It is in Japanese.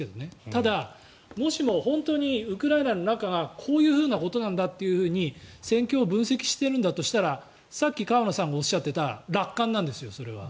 ただ、もしも本当にウクライナの中がこういうことなんだというふうに戦況を分析しているんだとしたら先ほど河野さんがおっしゃっていた楽観なんですよ、それは。